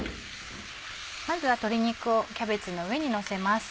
まずは鶏肉をキャベツの上にのせます。